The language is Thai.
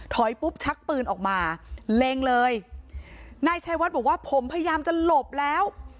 ปุ๊บชักปืนออกมาเล็งเลยนายชัยวัดบอกว่าผมพยายามจะหลบแล้ว